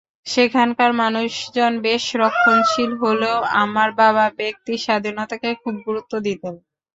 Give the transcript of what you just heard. সেখানকার মানুষজন বেশ রক্ষণশীল হলেও আমার বাবা ব্যক্তিস্বাধীনতাকে খুব গুরুত্ব দিতেন।